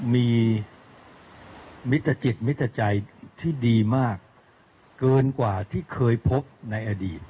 มีมิตรจิตมิตรใจที่ดีมากเกินกว่าที่เคยพบในอดีต